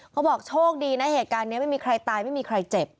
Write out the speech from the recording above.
เขาบอกโชคดีนะเหตุการณ์นี้ไม่มีใครตายไม่มีใครเจ็บ